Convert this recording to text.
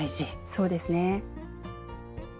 そうですね。